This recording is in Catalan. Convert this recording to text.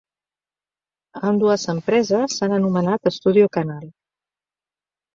Ambdues empreses s'han anomenat StudioCanal.